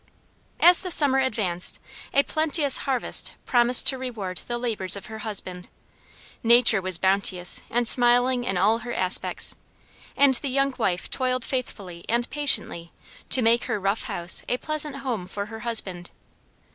As the summer advanced a plenteous harvest promised to reward the labors of her husband. Nature was bounteous and smiling in all her aspects, and the young wife toiled faithfully and patiently to make her rough house a pleasant home for her husband.